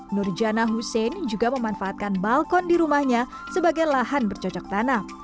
nur jana hussein juga memanfaatkan balkon di rumahnya sebagai lahan bercocok tanam